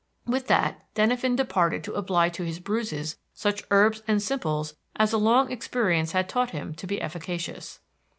With that Denyven departed to apply to his bruises such herbs and simples as a long experience had taught him to be efficacious.